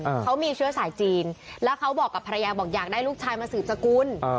เขามีเชื้อสายจีนแล้วเขาบอกกับภรรยาบอกอยากได้ลูกชายมาสืบสกุลอ่า